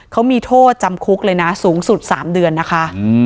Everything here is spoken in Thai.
เขามีโทษจำคุกเลยนะสูงสุด๓เดือนนะคะ